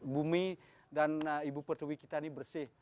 bumi dan ibu pertuwi kita ini bersih